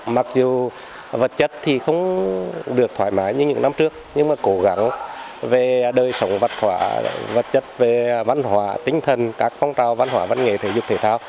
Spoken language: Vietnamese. mặc dù vật chất thì không được thoải mái như những năm trước nhưng mà cố gắng về đời sống vật hóa vật chất về văn hóa tinh thần các phong trào văn hóa văn nghệ thể dục thể thao